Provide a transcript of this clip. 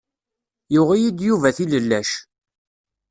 Yuɣ-iyi-d Yuba tilellac.